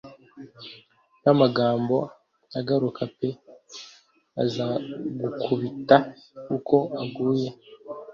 Nkamagambo aguruka pe azagukubita uko aguye;